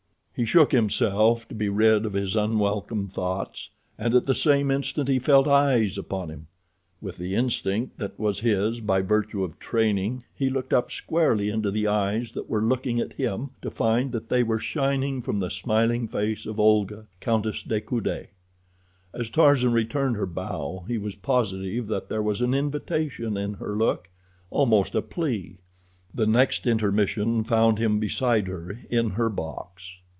He shook himself to be rid of his unwelcome thoughts, and at the same instant he felt eyes upon him. With the instinct that was his by virtue of training he looked up squarely into the eyes that were looking at him, to find that they were shining from the smiling face of Olga, Countess de Coude. As Tarzan returned her bow he was positive that there was an invitation in her look, almost a plea. The next intermission found him beside her in her box.